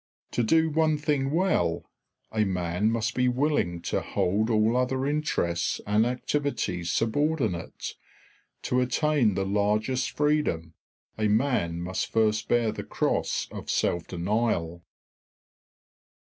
To do one thing well, a man must be willing to hold all other interests and activities subordinate; to attain the largest freedom, a man must first bear the cross of self denial.